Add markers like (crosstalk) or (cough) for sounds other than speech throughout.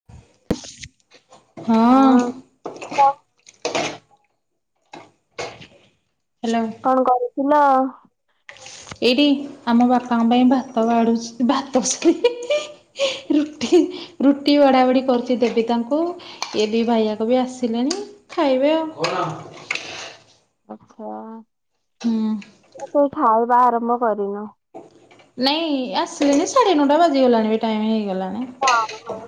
ହଁ। (unintelligible) ହ୍ୟାଲୋ। କଣ କରୁଥିଲ? ଏଇଠି ଆମ ବାପାଙ୍କ ପାଇଁ ଭାତ ବାଡୁଛି ଭାତ। ରୁଟି ରୁଟି ବାଡା ବାଡି କରୁଛି ଦେବୀ ତାଙ୍କୁ। ଇଏ ଦି ଭାଇଆକ ବି ଆସିଲେଣି ଖାଇବେ ଆଉ। ଆଛା ହୁଁ ସେଇ ଖାଇବା ଆରମ୍ଭ କରିନୁ। ନାଇ ଆସିଲେଣିି ସାଢ଼େ ନଅଟା ବାଜଜିଗଲାଣି ବି ଟାଇମ ହେଇଗଲାଣି। ହଁ ହଁ।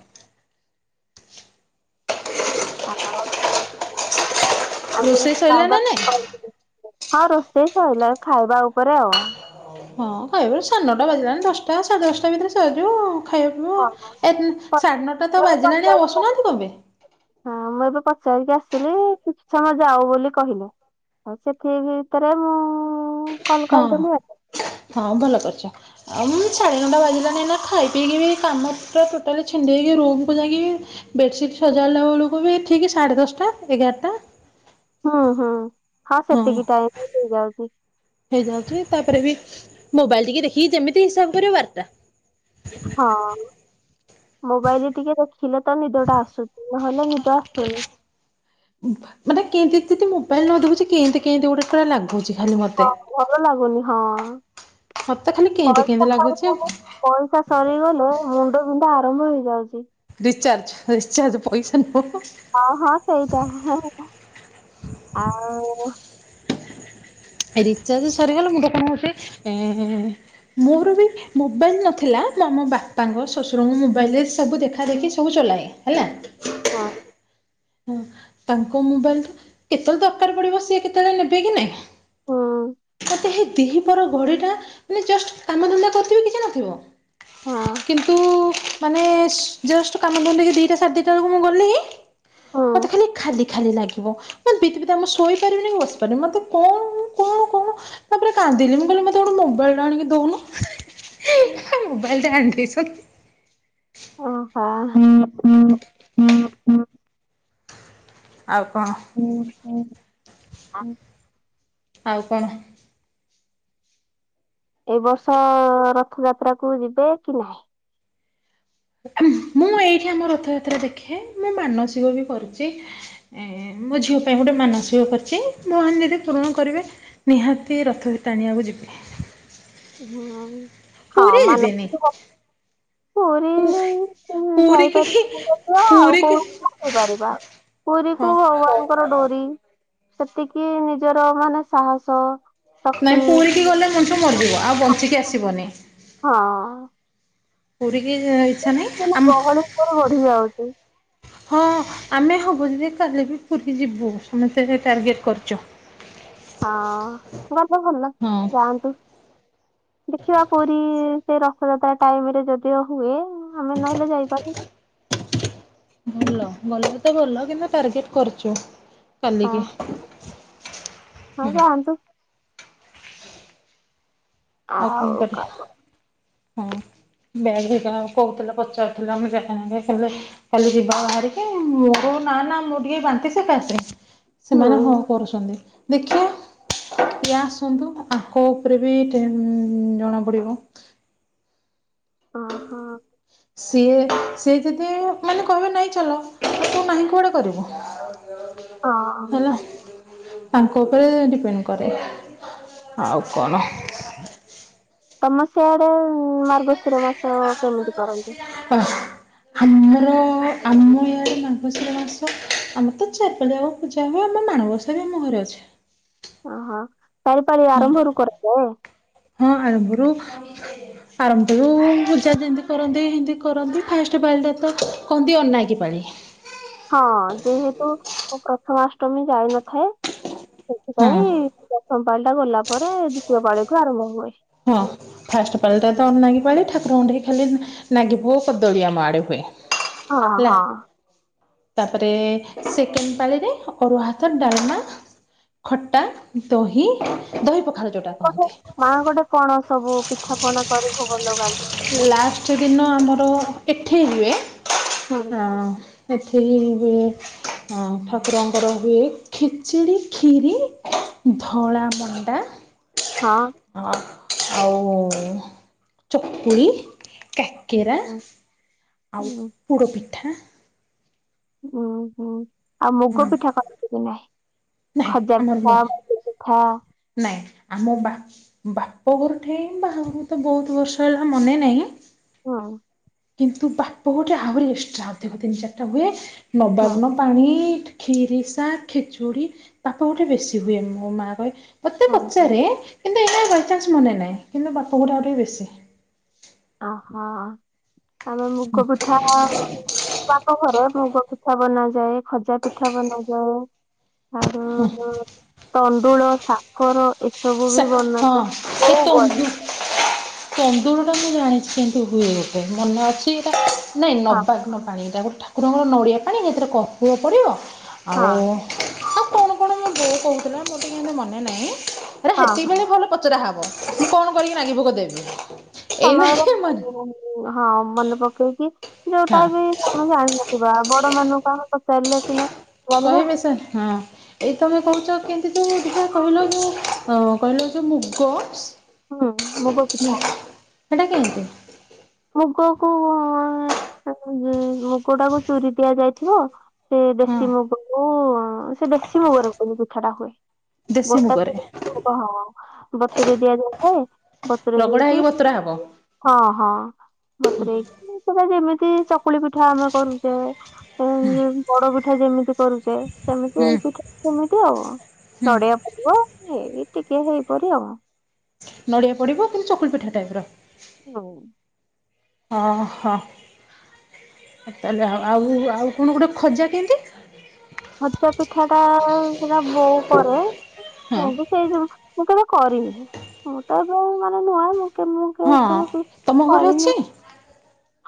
ଆ ଆଗ ରୋଷେଇ ସରିଲା ନା ନାଇଁ ଖାଉକୁଥିଲ। ହଁ ରୋଷେଇ ସରିଲା ଖାଇବା ଉପରେ ଆଉ। ହଁ ଖାଇବାର ସଢେ ନଅଟା ବାଜିଲାଣି ଦଶଟା ସାଢ଼େ ଦଶଟା ଭିତରେ ସରିଯିବ ଆଉ। ଖାଇବ ପିଇବ ହଁ ଏ ସାଢେ ନଅଟା ତ ବାଜିଲାଣି ଆଉ ବସୁନାହାନ୍ତି କଣପାଇଁ? ହଁ ମୁଁ ଏବେ ପଚାରିକି ଆସିଲି କିଛି ସମୟ ଯାଉ ବୋଲି କହିଲେ। ଆଉ ସେତିକି ଭିତରେ ମୁଁ କଲ ହଁ କରିଦେଲି ଆଉ। ହଁ ଭଲ କରିଛ। ଆଉ ମୁଁ ସାଢ଼େ ଘଣ୍ଟା ବାଜିଲାନି ନା ଖାଇ ପିଇକି ବି କାମ ପୁରା ଟୋଟାଲି ଛିଣ୍ଡେଇକି ରୁମକୁ ଯାଇକି ବି ବେଡସିଟ୍ ସଜଡ଼ିଲା ବେଳକୁ ବି ଠିକ ସାଢ଼େ ଦଶଟା ଏଗାରଟା। ହୁଁ ହୁଁ ହଁ ସେତିକି ଟାଇମ ହେଇଯାଉଛି। ହେଇଯାଉଛି ତାପରେ ବି ମୋବାଇଲ ଟିକେ ଦେଖିକି ଯେମିତି ହିସାବ କରିବ ବାରଟା। ହଁ ମୋବାଇଲ ଟିକେ ଦେଖିଲେ ତ ନିଦ ଟା ଆସୁଛି ନହେଲେ ନି ଦ ଆସୁନି। ମାନେ କେନ୍ତି ଯଦି ମୋବାଇଲ ନ ଦେଖୁଛି କେନ୍ତି କେନ୍ତି ଗୋଟେ ପୁରା ଲାଗୁଚି ଖାଲି ମତେ। ହଁ ଭଲ ଲାଗୁନି ହଁ। ମତେ ତ ଖାଲି କେନ୍ତି ପଇସା କେନ୍ତି ଲାଗୁଛି ଆଉ। ସରିଗଲେ ପଇସା ସରିଗଲେ ମୁଣ୍ଡ ବିନ୍ଧା ଆରମ୍ଭ ହେଇଯାଉଛି। ରିଚାର୍ଜ୍ ରିଚାର୍ଜ୍ ପଇସା ନୁହଁ। ହଁ ହଁ ସେଇଟା ଆଉ ରିଚାର୍ଜ ସରିଗଲେ ମୁଣ୍ଡ କଣ ହଉଛି ଏ ମୋର ବି ମୋବାଇଲ ନଥିଲା ମୁଁ ଆମ ବାପାଙ୍କ ଶ୍ୱଶୁରଙ୍କ ମୋବାଇଲରେ ସବୁ ଦେଖା ଦେଖି ସବୁ ଚଲାଏ ହେଲା। ହଁ। ହଁ ତାଙ୍କ ମୋବାଇଲ କେତେବେଳେ ଦରକାର ପଡିବ ସିଏ କେତେବେଳେ ନେବେ କି ନାଇଁ? ହଁ। ହେ ଦ୍ବିପହର ଗଡିଟା ମାନେ ଜଷ୍ଟ କାମଧନ୍ଦା କରୁଥିବି କିଛି ନଥିବ ହଁ କିନ୍ତୁ ମାନେ ଜଷ୍ଟ କାମ ଧକିି ଦିଟା ସାଢେ ଦିଟା ବେଳକୁ ମୁଁ ଗଲି ମତେ ଖାଲି ଖାଲି ଖାଲି ଲାଗିବ ମତେ ବିଧ ବିତି ମୁଁ ଶୋଇପାରିବିନି କି ବସିପାରିବି ମତେ କଣ କଣ ମୁଁ ତାପରେ କାନ୍ଦିଲି ମୁଁ କହିଲି ମତେ ଗୋଟେ ମୋବାଇଲ ଟେ ଆଣିକି ଦଉନୁ। ହୁଁ। ମୋବାଇଲ ଟା (unintelligible) ଓହୋ। ଆଉ କଣ? ଆ ଆଉ କଣ? ଏ ବର୍ଷ ରଥଯାତ୍ରା କୁ ଯିବେ କି ନାହିଁ? ମୁଁ ଏଇଠି ଆମ ରଥଯାତ୍ରା ଦେଖେ ମୁଁ ମାନସିକ ବି କରିଚି। ମୋ ଝିଅ ପାଇଁ ଗୋଟେ ମାନସିକ କରିଛି ଭଗବାନ ଯଦି ପୂରଣ କରିବେ। ନିହାତି ରଥରେ ଟାଣିବାକୁ ଯିବି। ହୁଁ ହଁ ପୁରୀ ଯିବେନି। ମାନସିକ। (unintelligible) ପୁ ପୁରୀରେ ପୁରୀ ଯାଇ କି ଦର୍ଶନ କରିବା ପୁରୀ କି ଆଉ। (unintelligible) ପୁରୀ ହଁ କୁ ଭଗବାନଙ୍କର ଡୋରି ସେତିକି ନିଜର ମାନେ ସାହସ ନାଇଁ ଶକ୍ତି ପୁରୀକି ଗଲେ ମଣିଷ ମରିଯିବ ଆଉ ବଞ୍ଚିକି ଆସିବନି। ହଁ। ପୁରିକି ଯାଇଛି। କିନ୍ତୁ ମୋ ଗହଳି ପୁଅର ବଢିଯାଉଛି। ହଁ ଆମେ ହବ ଯଦି କାଲି ବି ପୁରୀ ଯିବୁ ସମସ୍ତେ ଟାର୍ଗେଟ କରିଚୁ। ହଁ ଗଲେ ଭଲ ହଁ ଯାଆନ୍ତୁ। ଦେଖିବା ପୁରୀ ସେ ରଥଯାତ୍ରା ଟାଇମ ରେ ଯଦିଓ ହୁଏ ଆମେ ନହେଲେ ଯାଇପାରୁ। ଭଲ ଗଲେ ତ ଭଲ କିନ୍ତୁ ଟାର୍ଗେଟ କରିଛୁ। ହଁ କାଲିକି ହଁ ହୁଁ। ଯାଆନ୍ତୁ ଆଉ କଣ କରିବା ହୁଁ। ବ୍ୟାଗ୍ (unintelligible) କହୁଥିଲା ପଚାରୁଥିଲା ଆମ (unintelligible) କାଲି ଯିବା ବାହାରିକି ମୋର ନା ନା ମୁଁ ଟିକେ ବାନ୍ତି ସେକାସେ ହୁଁ ସେମାନେ ହଁ କରୁଛନ୍ତି। ଦେଖିଆ ଇଏ ଆସନ୍ତୁ ଆଙ୍କ ଉପରେ ବି ଏମ ଜଣା ପଡିବ। ଅଁହଁ। ହଁ (unintelligible) ସିଏ ସିଏ ଯଦି ମାନେ କହିବେ ନାଇଁ ଚାଲ ତୁ ନାହିଁ କୁଆଡ଼େ କରିବୁ। ହଁ ହେଲା। ତାଙ୍କ ଉପରେ ଡିପେଣ୍ଡ କରେ ଆଉ କଣ? ତମ ସିଆଡେ ମାର୍ଗଶିର ମାସ କେମିତି କରନ୍ତି? ଓହୋ। ଆମର ଆମ ଏଆଡେ ମାର୍ଗଶିର ମାସ ଆମର ତ ଚାରିପାରିଆଉ। ଯାହା ଆମ ମାଣବସା ବି ଆମ ଘରେ ଅଛି। ଓହୋ ଚାରିପାଳି ହଁ ଆରମ୍ଭରୁ କରୁଚ। ହଁ, ଆରମ୍ଭରୁ ଆରମ୍ଭରୁ ପୂଜା ଯେମତି କରନ୍ତି ହେମତି କରନ୍ତି ଫାଷ୍ଟ ପାଳିଟାତ କହନ୍ତି ଅନାକି ପାଳି। ହଁ ଯେହେତୁ ପ୍ରଥମାଷ୍ଟମୀ ଯାଇନଥାଏ ହଁ ସେଥିପାଇଁ ଦଶମ ପାଳି ଟା ଗଲା ପରେ ଦ୍ଵିତୀୟ ପାଳି କୁ ଆରମ୍ଭ ହୁଏ। ହଁ ଫାଷ୍ଟ ପାଳିଟା ତ ଅନନାଗି ପାଳି ଠାକୁରଙ୍କୁ ଟିକେ ଖାଲି ନାଗି ପୁଅ କଦଳୀ ଆମ ଆଡେ ହୁଏ। ହଁ ହେଲା। ହଁ। ତାପରେ ସେକେଣ୍ଡ ପାଳିରେ ଅରୁଆ ଭାତ, ଡାଲମା ଖଟା, ଦହି, ଦହି ପଖାଳ ଜୋ (unintelligible) ହଁ ଗୋଟେ କଣ ସବୁ ପିଠା ପଣା କରି ଭୋଗ ଲଗାନ୍ତି। ଲାଷ୍ଟ ଦିନ ଆମର ଏଠି ହୁଏ। ହଁ। ଏଠି ବି ହଁ ଠାକୁରଙ୍କର ହୁଏ ଖିଚିଡି, ଖିରି। ଧଳା ମଣ୍ଡା ହଁ ଆଉ ଚକୁଳି, ଉୁଁ କାକେରା ହୁଁ ଆଉ ହୁଁ ପୁଡ଼ ପିଠା। ଉଁ ହୁଁ, ଆଉ ମୁଗ ହଁ ପିଠା କରନ୍ତି କି ନାହିଁ। ଖଜା ପିଠା (unintelligible) ହଁ। ନାଇଁ ଆମ ବା ବାପଘରଠେଇଁ ବାହାଘରୁକୁ ତ ବହୁତ ବର୍ଷ ହେଲା ମନେ ନାହିଁ। ହଁ। କିନ୍ତୁ ବାପ ଗୋଟେ ଆହୁରି ଏକ୍ସଟ୍ରା ଅଧିକ ତିନି ଚାରିଟା ହୁଏ ହୁଁ ନବାର୍ନ- ପାଣି, ଖିରିସା, ଖେଚୁଡି, ବାପ ଗୋଟେ ବେଶୀ ହୁଏ ମୋ ମା କହେ ମୋତେ ହୁଁ ହୁଁ। ପଚାରେ କିନ୍ତୁ ଏଇଆ ବାଇଚାନ୍ସ ମନେ ନାହିଁ କିନ୍ତୁ ବାପଗୁଡ଼ା ଆହୁରି ବି ବେଶୀ। ଓହୋ ଆମେ ମୁଗବ- ହଁ ପିଠା ବାପ ଘର ଭୋଗ ପିଠା ବନାଯାଏ, ଖଜା ପିଠା ବନାଯାଏ। ଆଉ ତଣ୍ଡୁଳ ସା- କର ଏସବୁ ବି ବନାନ୍ତି ବୋଉ କରେ। ଚନ୍ଦୁର ଟା ମୁଁ ଜାଣିଛି କେଏନ୍ତି ହୁଏ ଗୋଟେ ମନେ ଅଛି ଏଇଟା ନାଇଁ ହଁ ନବାଗ୍ନ ପାଣି, ଏଇଟା ଗୋଟେ ଠାକୁରଙ୍କର ନଡ଼ିଆ ପାଣି, ଏଥିରେ କର୍ପୂର ପଡ଼ିବ ହଁ ଆଉ ଆଉ କଣ କଣ ମୋ ବୋଉ କହୁଥିଲା ମୋତେ କେମିତି ମନେ ନାହିଁ? ହେ ହଁ ହେତିକି ହଁ ବେଳେ ଭଲ ପଚରା ହବ ତୁ କଣ କରିକି ନାଗିଭୋଗ ଦେବି। ଏଇନା କି ମନେ ସମୟରେ ହଁ ମନେ ପକେଇକି ହଁ ଯୋଉଟାବି ଆମେ ଜାଣିନଥିବା ବଡ ମାନଙ୍କୁ ଆମେ ପଚାରିଲ ସିନା ଜାଣିବା। କହିବେ ହଁ। ଏଇ ତମେ କହୁଛ କେମତି ତୁ ଯ କହିଲ ଯେ କହିଲ ଯୋଉ ମୁଗ ହୁଁ ମୁଗପିଠା। ସେଇଟା କେମିତି? ମୁଗ କୁ ମୁଗ ଟାକୁ ଚୁରି ଦିଆଯାଇଥିବ। ସେ ହଁ ଦେଶୀ ମୁଗକୁ ସେ ଦେଶୀ ମୁଗରେ କିନ୍ତୁ ପିଠା ଟା ହୁଏ। ଦେଶୀ ଗୋଟା ମୁଗରେ ଚୁରି ମୁଗ ହଁ। ବତୁରେ ଦିଆଯାଇଥାଏ ବତୁୁର ରଗଡ଼ା ହେଇକି ଦେଇକି ବତୁରା ହବ ହଁ ହଁ ବାତୁରେଇ କି ସେଟା ଯେମିତି ଚକୁଳି ପିଠା ଆମେ କରୁଛେ (unintelligible) ବଡ ପିଠା ଯେମିତି କରୁଛେ ସେମିତି ହୁଁ ଏଇ ପିଠା ସେମିତି ଆଉ ହୁଁ ନଡିଆ ଟିକେ ହେଇପରି ଆଉ। ନଡିଆ ପଡିବ କିନ୍ତୁ ଚକୁଲ ପିଠା ଟାଇପର। ହୁଁ। ଓ ହୋ। ତାହାଲେ ଆଉ ଆଉ କଣ ଗୋଟେ ଖଜା କେମିତି? ଖଜା ପିଠାଟା ସେଟା ବୋଉ କରେ ହଁ ବୋଉ ସେଇ ମୁଁ କେବେ କରିନି ମୁଁ ତ ଏ ମାନେ ନୂଆଁ ମୁଁ ମୁଁ କେ ହଁ ଏସବୁ ତମ ଘରେ କରିନି। ଅଛି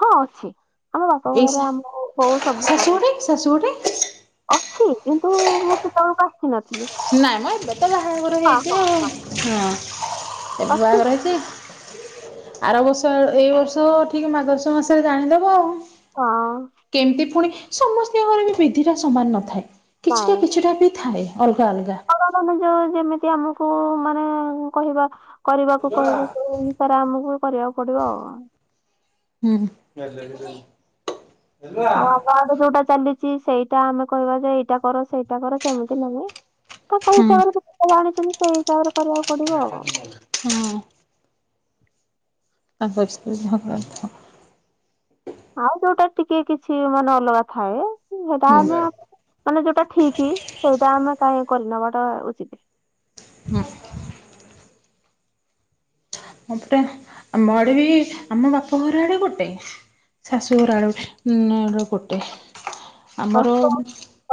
ହଁ ଅଛି ଆମ ବାପଘର ଆମ ବୋଉ ସବୁ କରେ। ତତେ ଆସିବ ଟି। ଅଛି କିନ୍ତୁ ମୁଁ ସେତବେଳକୁ ଆସ। ନାଇଁ ମ ଏବେ ତ ବାହାଘର ହଁ ହେଇଛି ହଁ ଆ ହଁ। ଏବେ ଅଛି କି? ବାହାଘର ହେଇଚି। ଆର ବର୍ଷ ଏଇ ବର୍ଷ ଠିକ ମଗଶିର ମାସରେ ଜାଣିଦବ ଆଉ। ହଁ। କେମିତି ପୁଣି ସମସ୍ତଙ୍କର ବି ବିଧିଟା ସମାନ ନଥାଏ ନାଇଁ। କିଛିଟା କିଛିଟା ବି ଥାଏ। ପୁରା ଅଲଗା। ଯୋଉ ଯେମିତି ଆମକୁ ମାନେ କହିବା କରିବାକୁ କହିବ ତରେ ଆମକୁ ବି କରିବାକୁ ପଡିବ ଆଉ। ହୁଁ ଆଉ ଆମ ଆଡେ ଯୋଉଟା ଚାଲିଛି ସେଇଟା ଆମେ କହିବା ଯେ ଏଇଟା କର ସେଇଟା କର ସେମିତି ନାହିଁ। ତ କୋଉ ହିସାବରେ (unintelligible) ଜାଣିଛି ମୁଁ ସେଇ ହିସାବରେ କରିବାକୁ ପଡି (unintelligible) ହଁ। (unintelligible) ଆଉ ଯୋଉଟା ଟିକେ କିଛି ମାନେ ଅଲଗା ଥାଏ ଉଁ ସେଇଟା ହୁଁ ଆମ ହୁଁ ମାନେ ଯୋଉଟା ଠିକି ସେଇଟା ଆମେ କାହିଁ କରି ନବାଟା ଉଚିତି। ହଁ। ମ ପଟେ ଆମ ଆଡେ ବି ଆମ ବାପ ଘର ଆଡେ ଗୋଟେ। ଶାଶୁଘର ଆଡେ ଉଁ ନାର ଗୋଟେ ଆମର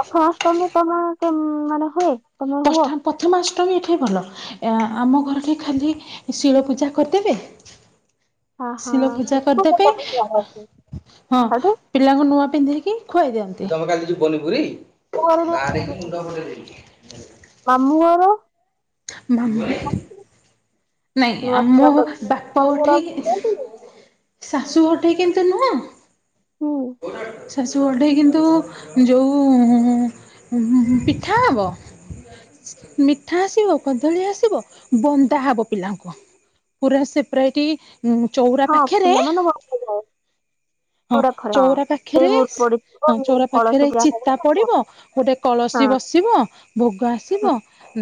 ଅଖାଅଷ୍ଟମୀ ତମ କେମ୍ ମାନେ ହୁଏ। ତମେ ହୁଅ? (unintelligible) ପଥମାଷ୍ଟମୀ ଏଠେଇ ଭଲ ଏ ଆମ ଘରଠି ଖାଲି ଶିଳ ପୂଜା କରିଦେବେ ହଁ ଶିଳ ପୂଜା କରିଦେବେ ହଁ ହଁ। ହେଠୁ ପିଲାଙ୍କୁ ନୂଆ ପିନ୍ଧେଇକି ଖୁଆଇ ଦିଅନ୍ତି ଘରେ ଯେମିତି (unintelligible) ମାମୁଁ ଘର ମାମୁଁ ନାଇଁ ଆ ନୂଆ ମୋ ବାପ ଉଠେଇକି ଶାଶୁ ଘଟିକି କେମତି ନୁହଁ ହୁଁ ଶାଶୁ ଘଟିକି କିନ୍ତୁ ଯୋଉ ଉଁ ଉଁ ଉଁ ପିଠା ହବ। ମିଠା ଆସିବ। କଦଳୀ ଆସିବ ବନ୍ଦା ହବ ପିଲାଙ୍କୁ ପୁରା ସେପରାଇଟି ଉଁ ଚଉରା ହଁ ପାଖେରେ ପିଲାମାନେ ହଁ ଚଉରା ପାଖେରେ ପଡିଥିବ ହଁ ଚଉରା ପାଖେରେ କଳସ ପୂଜା ହଁ ଚିତା ହଁ ପଡିବ। ଗୋଟେ କଳସୀ ବସିବ ଭୋଗ ଆସିବ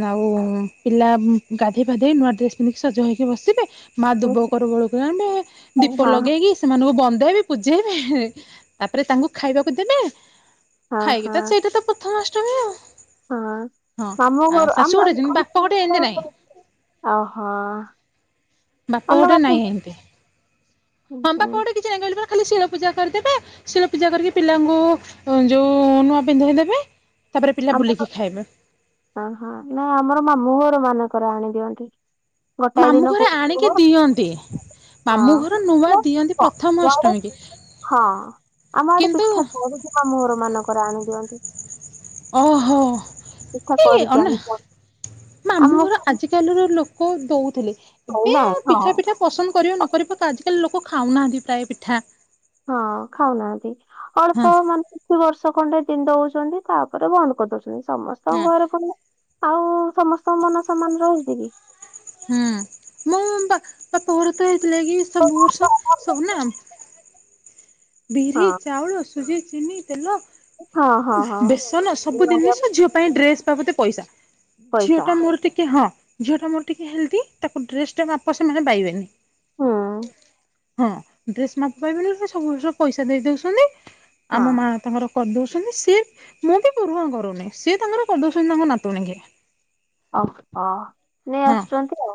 ନାଉ ଉଁ ପିଲା ଉଁ ଗାଧେଇ ଫାଧେଇ ନୂଆ ଡ୍ରେସ୍ ପିନ୍ଧିକି ସଜ ହେଇକି ବସିବେ। ମା ଦୁବକର ବୋଳିକି ଆଣିବେ ଦୀପ ଲଗେଇକି ସେମାନଙ୍କୁ ବନ୍ଦେଇବେ ପୂଜେଇବେ ତାପରେ ତାଙ୍କୁ ଖାଇବାକୁ ଦେବେ। ହଁ ହଁ ଖାଇକି ହଁ ତ ସେଇଟା ତ ପ୍ରଥମାଷ୍ଟମୀ ଆଉ ହଁ। ହଁ ମାମୁଁ ଘର ଆଉ ଶାଶୁ ଆମ ଘଟେ ଯିନ୍ତି ବା ପ ଘଟେ ଏନ୍ତି ନାହିଁ ଓହୋ ବାପ ଘଟେ ଅଲଗା ଥିବ ନାହିଁ ଏମତି। ହଁ ବାପ ଘଟେ କିଛି ନାହିଁ କହିଲି ପା ଖାଲି ଶିଳ ପୂଜା କରିଦେବେ ଶିଳ ପୂଜା କରିକି ପିଲାଙ୍କୁ ଉଁ ଯୋଉ ନୂଆ ପିନ୍ଧେଇ ଦେବେ ତାପରେ ପିଲା ଆମ ବୁଲିକି ଖାଇବେ। ହଁ ହଁ ନାଇଁ ଆମର ମାମୁଁଘରମାନଙ୍କରେ ଆଣିଦିଅନ୍ତି। ଗୋଟାଏ ମାମୁଁ ଦିନ ଘରେ ପୂ ଆଣିକି (unintelligible) ହଁ ଦିଅନ୍ତି ମାମୁଁ ଘର ନୂଆ ଦିଅନ୍ତି ପ୍ରଥମ ଅଷ୍ଟମୀ (unintelligible) ହଁ। କି ଆମ ଆଡେ କିନ୍ତୁ ପିଠା (unintelligible) ମାମୁଁଘରମାନଙ୍କରେ ଆଣି ଦିଅନ୍ତି। ଓହୋ ପିଠା ଏ କରିକି ଅନା ଆଣିକି ମାମୁଁଘର ଆମକୁ ଆଜିକାଲିର ଲୋ କ ଦଉଥିଲେ ଏବେ ଖାଇନାହିଁ ଆଉ ହଁ ପିଠା ଫିଠା ପସନ୍ଦ କରିବେ ନ କରିବ ତ ଆଜିକାଲି ଲୋକ ଖାଉନାହାନ୍ତି ପ୍ରାୟ ପିଠା। ହଁ ଖାଉନାହାନ୍ତି ହଁ ଅଳ୍ପ ମାନ୍ ଦି ବର୍ଷ ଖଣ୍ଡେ ତିନ୍ ଦଉଛନ୍ତି ତାପରେ ବନ୍ଦ କରିଦଉଛନ୍ତି ସମସ୍ତଙ୍କ ହଁ ଘରେ (unintelligible) ଆଉ ସମସ୍ତଙ୍କ ମନ ସମାନ ରହୁଚି କି? ହୁଁ ମୁଁ ବା ବାପ ଘର ତ ହେଇଥିଲାଗି ସବୁ ବର୍ଷ ସବୁ ନା ବିରି ହଁ ଚାଉଳ ସୁଜି ଚିନି ତେଲ ହଁ ହଁ ହଁ ବେସନ ସବୁ ଦିନିଷ ଝିଅ ପାଇଁ ଡ୍ରେସ୍ ବାବଦେ ପଇସା ପଇସା ଝିଅଟା ମୋର ଟିକେ ହଁ। ଝିଅଟା ମୋର ଟିକେ ହେଲଦି ତାକୁ ଡ୍ରେସଟା ମାପ ସେମାନେ ପାଇବେନି। ହୁଁ। ହଁ ଡ୍ରେସ୍ ମାପ ପାଇବେନି ପା ସବୁ ବର୍ଷ ପଇସା ଦେଇ ଦଉସନ୍ତି ହଁ ଆମ ମା ତାଙ୍କର କରିଦଉ ହେଲେ ସିଏ ମୁଁ ବି ପୂରୁହାଁ କରୁନି ସିଏ ତାଙ୍କର କରି ଦୋଉଛନ୍ତି ତାଙ୍କ ନାତୁଣୀକି। ଅ ଅ ନେଇ ହଁ ଆସୁଛନ୍ତି ଆଉ।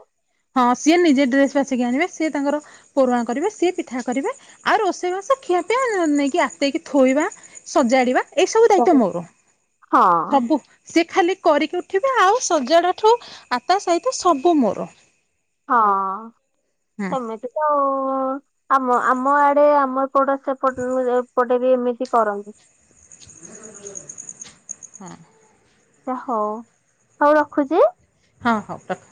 ହଁ ସିଏ ନିଜେ ଡ୍ରେସ ବାଛିକି ଆଣିବେ ସିଏ ତାଙ୍କର, ପୋରୁହାଁ କରିବେ, ସିଏ ପିଠା କରିବେ ଆଉ ରୋଷେଇ ବାସ ଖିଆ ପିଆ ନେଇକି ଆତେଇକି ଥୋଇବା ସଜାଡିବା ଏଇ ସବୁ ଦାୟିତ୍ୱ ମୋର ହଁ ସବୁ ସେ ଖାଲି କରିକି ଉଠିବେ ଆଉ ସଜାଡାଠୁ ଆ ତା ସହିତ ସବୁ ମୋର। ହଁ ହୁଁ ସେମିତି ତ ଆଉ ଆମ ଆମ ଆଡେ ଆମ ଏପଟ ସେପଟରୁ ଏପଟେ ବି ଏମିତି କରନ୍ତି। ହଁ। ହଉ ହଉ ରଖୁଛି। ହଁ ହଉ ରଖ।